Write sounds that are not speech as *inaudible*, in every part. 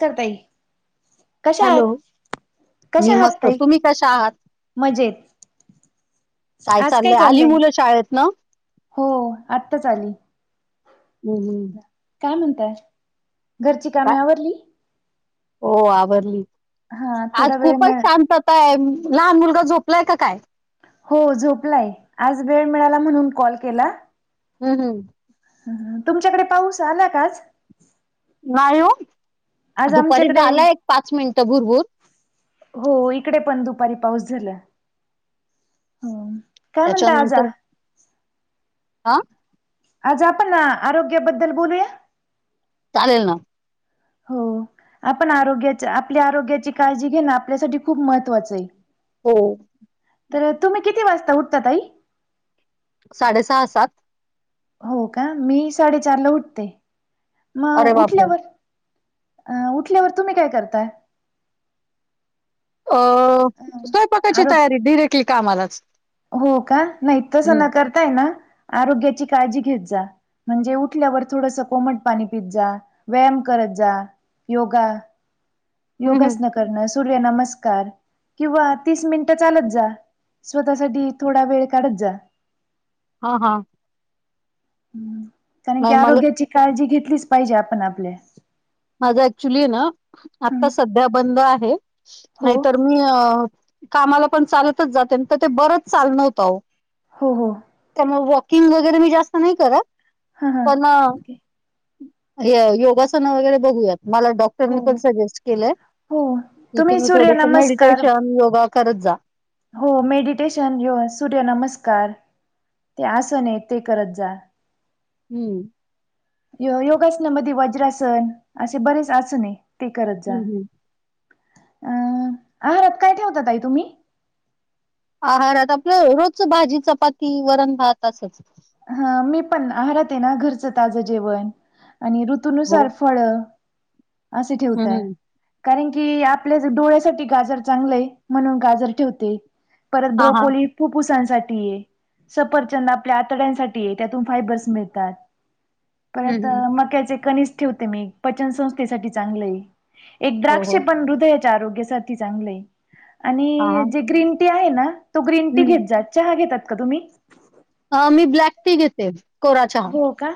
करताई *unintelligible* कशा हॅलो आहात कशा मी आहात मस्त तई तुम्ही कशा आहात मजेत काय चाललंय आली मुलं शाळेतन हो आत्ताच आली हम् हम्म काय म्हणताय घरची काय कामे आवरली हो आवरली हा आज थोडा वेळ खूपच मिळ शांत काय लहान मुलगा झोपलाय का काय हो झोपलाय आज वेळ मिळाला म्हणून कॉल केला हम् हम्म. तुमच्याकडे पाऊस आला काच नाही हो आज दुपारी आमच्याकडे झाला एक पाच मिनिट भरभूर हो इकडे पण दुपारी पाऊस झाला. हो काय म्हणता आजा त्याच्यानंतर हा आज आपण ना आरोग्याबद्दल बोलूया. चालेल ना. हो आपण आरोग्याच्या आपल्या आरोग्याची काळजी घेण आपल्यासाठी खूप महत्त्वाचं आहे. हो. तर तुम्ही किती वाजता उठतात आई. साडे सहा सात. हो का मी साडेचार ला उठते अरे मग बापरे उठल्यावर. अ उठल्यावर तुम्ही काय करताय. अ अ स्वयंपाकाची आरो तयारी डिरेक्टली कामालाच हो का नाहीत तसं हम्म. न करताय ना आरोग्याची काळजी घेत जा म्हणजे उठल्यावर थोडस कोमट पाणी पित जा व्यायाम करत जा योगा हम्म, हम्म. योगासन करणं सूर्य नमस्कार किंवा तीस मिनिटं चालत जा. स्वतःसाठीठी थोडा वेळ काढत जा. हा हा. कारण नाही की मला आरोग्याची काळजी घेतलीच पाहिजे आपण आपले. माझा ऍक्च्युली ना आता हं सध्या बंद आहे हो, नाहीतर.. मी कामाला पण चालतच जाते तर ते बरंच चाल नव्हत. हो हो. त्यामुळे वॉकिंग वगैरे मी जास्त नाही करत हां हां पण ओके योगासना वगैरे बघूयात मला डॉ तरी पण हो. सजेस्ट केलंय हो की तुम्ही थोडस मेडिटेशन योगा करत जा.. हो मेडिटेशन येन सूर्यनमस्कार ते आन ते करत जा.. हम्. योगासनामध्ये वज्रासन असे बरेच असून आहे ते करत जा.. हम्म हम्म. अ आहारात काय ठेवतात आई तुम्ही. आहारात आपलं रोज भाजी चपाती वरण भात असंच ह मी पण आहरते आहे ना घरचं ताजं जेवण आणि हो ऋतूनुसार.. फळ असे हम्म ठेवतय. हम्म कारण की आपल्या डोळ्यासाठी गाजर चांगलंय म्हणून गाजर ठेवते. परत हा हा ब्रोकोली खूप सांसाठी ये सपरचंद आपल्या सगळ्यासाठी आहे त्यातून फायब्रश मिळेतात, हम्म परत हम्म माक्कक्याचे कणीस.. ठ मी पन संस्थेसाठी चांगल हाय हो द्राक्ष हो पण हद आरोग्या चांगले हा हा आणि जे ग्रीन टी आहे ना तो ग्रीन टी हम्म. घेत जात. चहा घेतात का तुम्ही? अ मी ब्लॅक टी घेते कोरा चहा. हो का?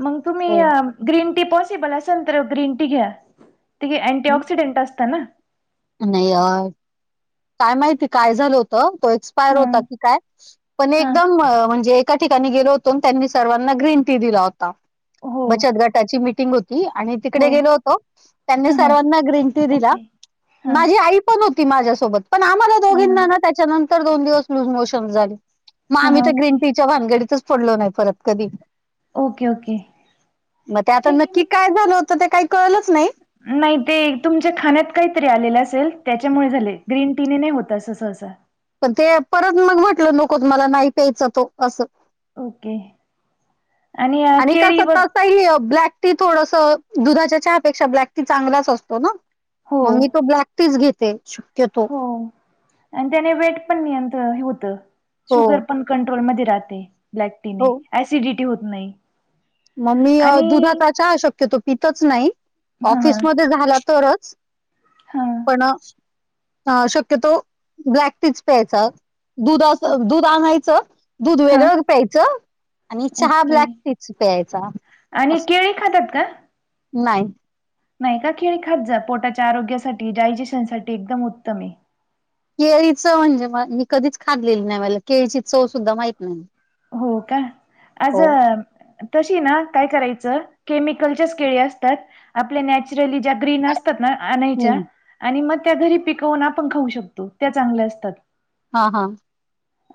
मग तुम्ही हो. ग्रीन टी पॉसिबल असाल तर ग्रीन टी घ्या. ति अँटी हम्म. ऑक्सिडेंट असतं ना नाही अ काय माहिती काय झालं होत. त एक्सपायर हा होता की काय पण हा एकदम म्हणजे. ठिकाणी गेलो होतो त्यांनी सर्वांना ग्रीन टी दिला होता हो बचत गट. त्याची मीटिंग होती आणि हो तिकडे गेलो होतो त्यांनी हा हा सर्वांना ग्रीन टी दिला. ओके हा माझी आई पण होती माझ्यासोबत पण आम्हाला हा दोघींना त्याच्यानंतर दोन दिव ल मोशन हा झागम गी हा ओके त पडल नाहीत कध ओके ओके म ठीक न आहे मग काय झालं होत ते काही कळलंच नाही. नाही ते तुमच्या खाण्यात काहीतरी आलेलं असेल त्याच्यामुळे झाले ग्रीन टीने नाही होत अस ससा. पण ते परत मग म्हटलं नकोत मला नाही प्यायच तो अस. ओके. अ, आणि केळी व सत्तास. ताई ब्लॅक टी थोडस दुधाच्या चहापेक्षा ब्लॅक टी चांगलाच असतो ना. हो मग मी तो ब्लॅक टीज घेते शक्यतो. हो आणि त्याने वेट पण नियंत होत हो, शुगर पण कंट्रोलमध्ये राहते. ब्लॅक हो. टीने ऍसिडिटी होत नाही. मग मी आणि दुधाचा चाहा अशक्यतो पितच नाही. हा हा ऑफिसमध्ये झाला तरच हा पण. ह शक्यतो ब्लॅक टीच प्यायचा. दूध अस ओ दूध आणायचं दूध हा वेगळं प्यायचं आणि चहा ओके ब्लॅक टी च. प्यायचा आणि अस केळी खातात का? नाही. नाही का खिळी खात जा पोटाच्या आरोग्यासाठी डायजेशन साठी एकदम उत्तम आहे. केळी च म्हणजे म मी कधीच खालेली नाही मला केळीची चव सुद्धा माहित नाही. हो का आज. हो. तशी ना काय करायचं केमिकलच्याच केळी असतात आपल्या नॅचरली ज्या ग्रीन असतात. तर ना आणयच्या हं. आणि मग त्या घरी पिकवून आपण खाऊ शकतो त्या चांगल्या असतात. हा हा.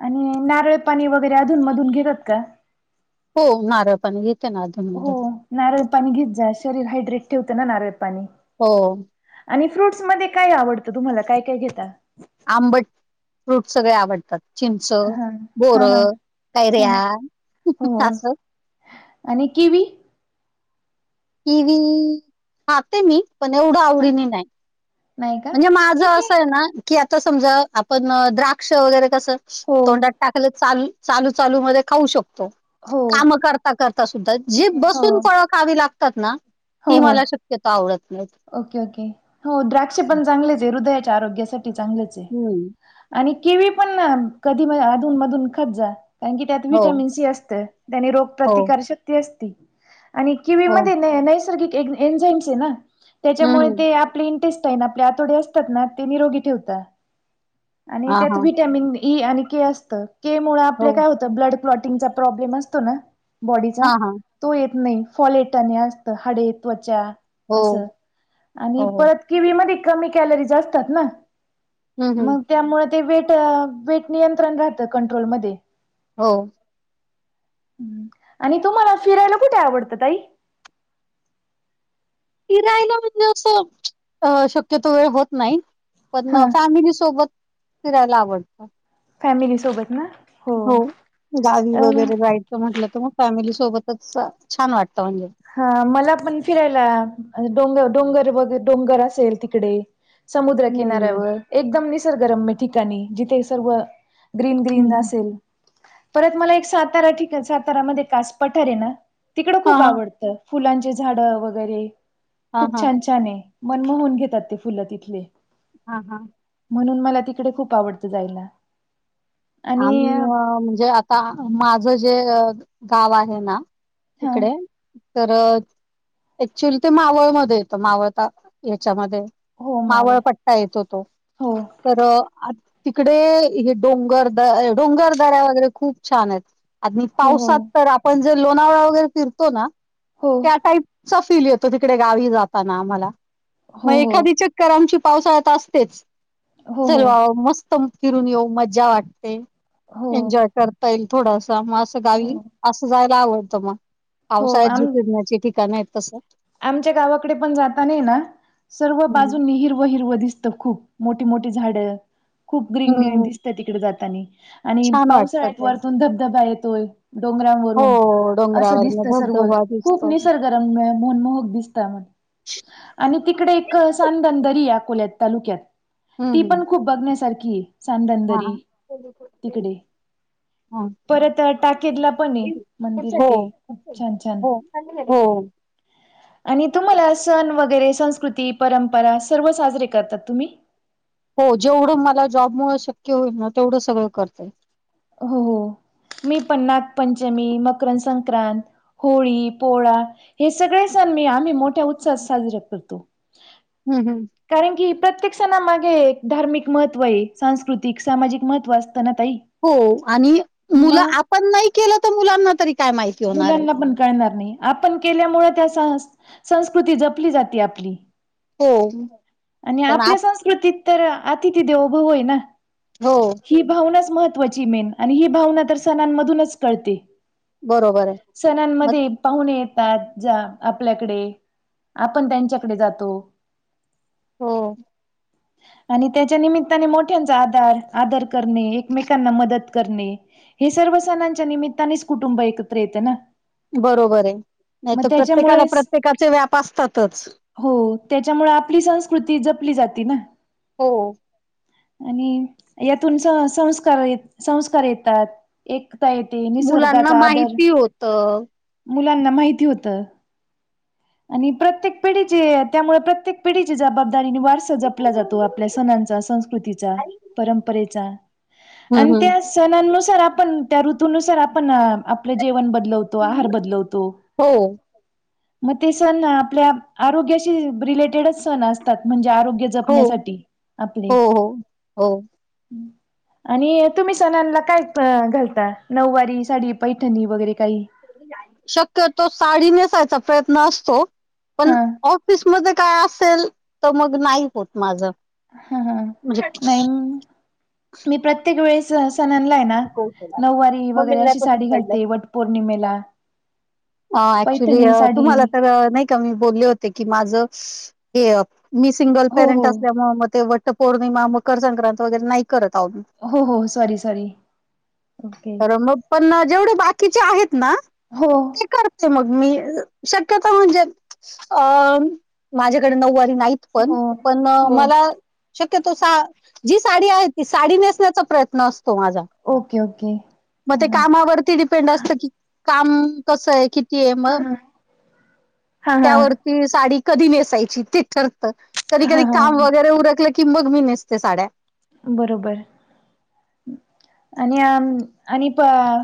आणि नारळ पाणी वगैरे अधून मधून घेतात का. हो नारळ पाणी येते ना. हो अधूनमधून नारळ पाणी घेत जा शरीर हायड्रेट ठेवते ना नारळ पाणी. हो आणि फ्रूट्स मध्ये काय आवडतं तुम्हाला काय काय घेता. आंबट फ्रूट सगळे आवडतात. चिंच हा हा हा बोरं ह काैर्या हो अस. आणि किवी. कवी खाते मी. पण एवढं हा, आवडीने नाही नाही का म्हणजे माझं ठीक असं आहे ना. की आता समजा आपण द्राक्ष वगैरे कसं हो तोंडात टाकलं चालू. चालू चालू मध्ये खाऊ शकतो हो काम करता करता सुद्धा जी ठीक आहे हो बसून फळ खावी लागते. तात हो ती हो मला शक्यतो आवडत नाही. ओके ओके हो द्राक्ष पण चांगलेच आहे हृदयाच्या आरोग्यासाठी चांगलेच आहे. हम्म आणि केवी पण कधी अधून मधून खतजा कारण की त्यात हो विटॅमिन सी असतेय. त्याने रोग हो प्रतिकार शक्ती असती आणि किवी हो मध्ये न नाही. त् *unintelligible* हम्म याच्यामुळे हम्म ते आपले आपले आतवडे असतात ना ते निरोगी ठेवत. आणि हा त्यात हा विटॅमिन ई आणि के असत के मुळ हो आपले काय होत. तर ब्लड क्लॉटिंगचा प्रॉब्लेम असतो ना बॉडीचा हा हा तो येत नाही फॉलेट आणि. हाडे त्वचा हो असं आणि हो, हो. परत. किव मध्ये कमी कॅलरी असतात ना हं, हं. मग. त्यामुळे ते वेट वेट नियंत्रण राहतं कंट्रोलमध्ये. हो. आणि तुम्हाला फिरायला कुठे आवडतं ताई. फिरायला म्हणजे असं अ शक्यतो वेळ होत नाही. पण हा फॅमिली सोबत फिरायला आवडतं. फॅमिलीसोबत ना. हो गावी अ वगैरे जायचं म्हटलं तर मग फॅमिली सोबतच छान वाटत म्हणजे. हा मला पण फिरायला डोंगर डोंगर वगैरे डोंगर असेल तिकडे. समुद्र हम्म. किनाऱ्यावर एकदम निसर्गरम्य ठिकाणी जिथे सर्व. ग्रीन हं, ग्रीन हं. असेल. परत मला एक सातारा ठी सातारामध्ये कास पठार आहे ना तिकडं हां, खूप हां. आवडत. फुलांचे झाड वगैरे हां, खूप हां. छान छान आहे. मन मोहन घेतात ते फुलं तिथले. हा हा. म्हणून मला तिकडे खूप आवडतं जायला. आणि आम्ही म्हणजे माझं जे गाव आहे ना हा इकडे तर ऍक्च्युली ते मावळमध्ये येतं मावळता याच्यामध्ये. हो मावळ मावळपट्टा येतो तो हो तर तिकडे हे डोंगर डोंगर दऱ्या वगैरे खूप छान आहेत आणि हो हो पावसात तर पण जर लोणावळा वगैरे फिरतो ना हो त्या टाईप फील येतो तिकडे गावी जाताना आमाला हो मग हो एखादीच करमची पावसाळ्यात असतेच हो हो सव मस्त फिरून येऊ मज्जा वाटते हो ते एन्जॉय करता येईल थोडासा मग असं गावी हो असं जायला आवडत मग हो पावसाळ्यात जी आम पिरण्याचे ठिकाण आहेत तसं आमच्या गावाकडे पण जाता नाही ना सर्व बाजू हम्म नि हीरव हिरव दिसत खूप मोठी मोठी झाड खूप ग्रीन ग्रीन हम्म दिसत तिकडे जाताना आणि छान वाटतं पावसाळ्यात ते वरतून धबधबा येतोय. हो डोंगरावरून असं डोंगरावरन दिसत सर्व धबधबा खूप दिसतो. निसर्गरम्य मोहनमोहक दिसत म्ह आणि तिकडे एक सांदन दरी अकोल्यात तालुक्यात. ती हम्म हम्म पण खूप बघण्यासारखी आहे सांदन हा दरी हा तिकडे. हा परत टाकेतला पणय मंदिर हो ते हो छान छान. हो. आणि तुम्हाला सण वगैरे संस्कृती, परंपरा सर्व साजरे करतात तुम्ही? हो जेवढं मला जॉबमुळे शक्य होईल ना तेवढं सगळं करतेय. हो हो मी पण नागपंचमी, मकर-संक्रांत. होळी, पोळा हे सगळे सण मी आम्ही मोठ्या उत्साहात साजरा करतो. हम्म हम्म. कारण की प्रत्येक सणा मागे धार्मिक महत्त्व आहे, सांस्कृतिक, सामाजिक महत्त्व असतं ना ताई. हो आणि मुलं मग आपण नाही केलं तर मुलांना तरी काय माहिती होणार आहे. मुलांना पण कळणार नाही. आपण केल्यामुळे त्या सं संस्कृती जपली जाते आपली. हो. आणि पण आपल्या आप संस्कृतीत तर अतिथी देवो भवय ना. हो. ही भावनाच महत्त्वाची मेन आणि ही भावना तर सणांमधूनच कळते. बरोबर आहे. मग सणांमध्ये पाहून येतात जा आपल्याकडे. आपण त्यांच्याकडे जातो. हो. *inaudible* आणि त्याच्या निमित्ताने मोठ्यांचा आदार आदर करणे एकमेकांना मदत करणे हे सर्व सणांच्या निमित्तानेच कुटुंब एकत्र येते ना. बरोबर आहे नाही मग तर प्रत्येकाला त्याच्यामुळेच प्रत्येकाचे व्याप असतातच. हो त्याच्यामुळे आपली संस्कृती जपली जाते ना. हो. आणि यातून संस्कार संस्कार येतात, एकता येत मुलांना माहिती होत. मुलांना माहिती होतं. आणि प्रत्येक पिढीची त्यामुळे प्रत्येक पिढीची जबाबदारी आणि वारसा जप ला जातो आपल्या सणांचा, संस्कृतीचा, परंपरेचा आणि हम्म ते अस सणनुसार आपण त्या ऋतूनुसार आपण आपलं जेवण बदलवो किंवा आहार हम्म बदलवतो हो मग ते सण आपल्या आरोग्याशी रिलेटेडच सण असतात म्हणजे आरोग्य हो जपण्यासाठी आपले हो हो हो. आणि तुम्ही सणांला काय घालता नऊवारी साडी पैठणी वगैरे काही शक्यतो साडी नेसायचा प्रयत्न असतो पण हा ऑफिस म काय असेल तर मग नाही होत माझं हा हा नाही म्हणजे मी प्रत्येक वेळेस सण आहे ना कौशला नऊवारी मग मी वगैरे नाही अशी पसंत साडी पडलं घालते वट पौर्णिमेला अ ऍक्च्युली पैठणी साडी तुम्हाला तर नाही का मी बोलले होते की माझं हे मी सिंगल हो हो पेरेंट असल्यामुळे मग ते वट पौर्णिमा मकर संक्रांती वगैरे नाही करत आहो मी हो हो सॉरी सॉरी ओके. तर मग पण जेवढे बाकीचे आहेत ना हो. करते मग मी शक्यता म्हणजे अ माझ्याकडे नऊवारी नाहीत पण हो पण हो मला शक्यतो सा जी साडी आहे ती साडी नेसण्याचा प्रयत्न असतो माझा ओके ओके मग ते हा कामावरती डिपेंड असत की काम कसं आहे कि क मग हा हा हा हा त्यावरती साडी कधी नेसायची ते ठरत. कधी हा कधी काम हा वगैरे उरलं की मग मी नेसते साड्या बरोबर आणि आणि प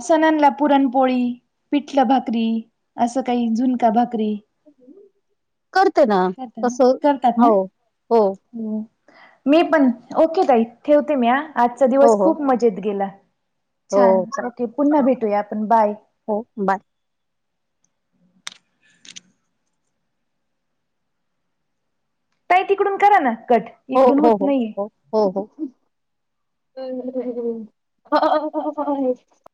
सणनला पुरणपोळी पिठलं भाकरी असं काही जुनका भाकरी करते ना करता ना तसं करतात ना हो हो मी पण ओके ताई ठेवते मी ह आजचा हो दिवस हो खूप म जेत गेला हो छान चालेल ओके पुन्हा भेटूया आपण बाय. हो बाय *inaudible* ताई तिकडून करा ना कट हो इकडून हो होत हो नाहीये हो हो हो *inaudible*